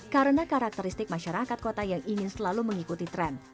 karena karakteristik masyarakat kota yang ingin selalu mengikuti tren